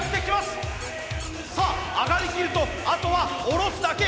さあ上がりきるとあとは下ろすだけ。